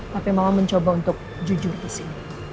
tapi mama mencoba untuk jujur di sini